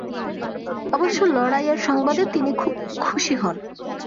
অবশ্য লড়াইয়ের সংবাদে তিনি খুব খুশি হন।